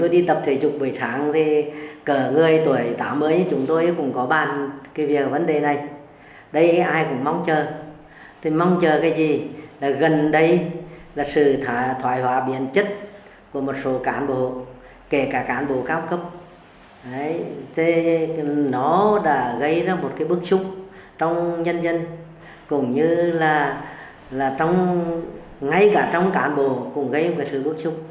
đây là một bước chúc trong nhân dân cũng như là ngay cả trong cán bộ cũng gây một bước chúc